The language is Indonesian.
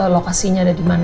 lokasinya ada di mana